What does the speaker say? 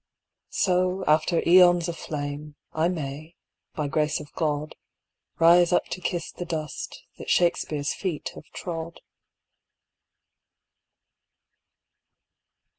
So after aeons of flame, I may, by grace of God, Rise up to kiss the dust that Shakespeare's feet have trod.